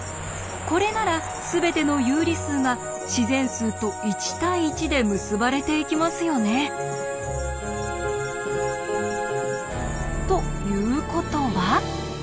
これならすべての有理数が自然数と１対１で結ばれていきますよね。ということは？